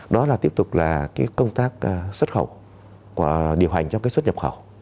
đó là tiếp tục công tác xuất khẩu điều hành cho xuất nhập khẩu